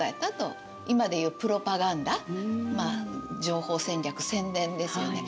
今で言うプロパガンダ情報戦略宣伝ですよね。